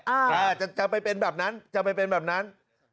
อันถึงจะไปเป็นแบบนั้น